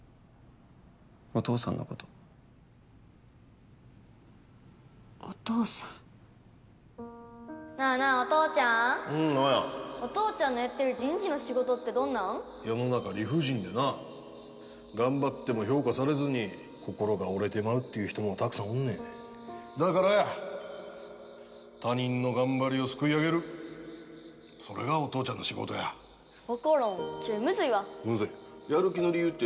お父さんのことお父さんなあなあお父ちゃんんお父ちゃんのやってる人事の仕事って世の中理不尽でな頑張っても評価されずに心が折れてまうっていう人もたくさんおんねんだからや他人の頑張りをすくい上げるそれがお父ちゃんの仕事やわからんちょいむずいわ（父やる気の理由っていろいろあるやろ？